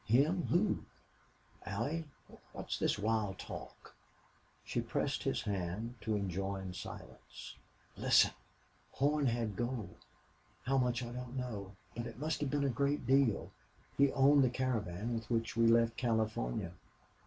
"Him! Who? Allie, what's this wild talk?" She pressed his hand to enjoin silence. "Listen! Horn had gold. How much I don't know. But it must have been a great deal. He owned the caravan with which we left California.